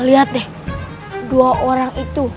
lihat deh dua orang itu